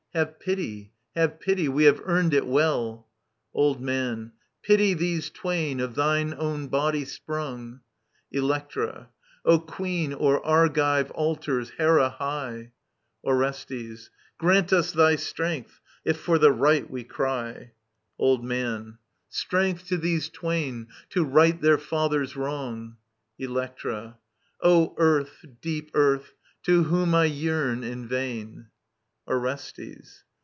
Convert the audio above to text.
Have pity ; have pity ; we have earned it well I Old Man. Pity these twain, of thine own body sprung I Electra. O Queen o'er Argivc altars, Hera high, Digitized by VjOOQIC 46 EURIPIDES Orbstbs. Grant us thy strength^ if for the right wc crjr. Old Man, Strength to these twain, to right their Other's wrong ! Electra. Earth, deep Earth, to whom I yearn in vain, Orbstbs.